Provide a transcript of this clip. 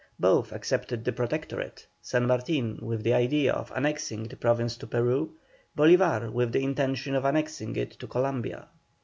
Both accepted the Protectorate, San Martin with the idea of annexing the Province to Peru, Bolívar with the intention of annexing it to Columbia.